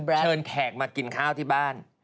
เชิญแขกมากินข้าวที่บ้าน